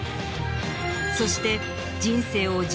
そして。